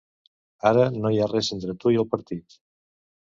Ara, no hi ha res entre tu i el partit.